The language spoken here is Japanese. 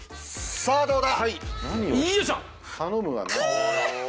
さあどうだ？